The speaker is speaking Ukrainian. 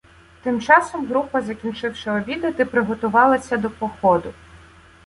Тим часом група, закінчивши обідати, приготувалася до походу.